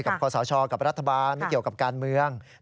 กับความสะชอบกับรัฐบาลไม่เกี่ยวกับการเมือง